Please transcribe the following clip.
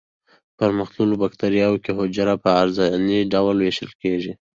په پرمختللو بکټریاوو کې حجره په عرضاني ډول ویشل کیږي.